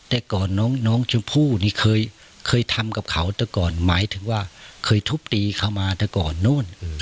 แต่ก่อนน้องชมพู่นี่เคยทำกับเขาแต่ก่อนหมายถึงว่าเคยทุบตีเขามาแต่ก่อนโน่น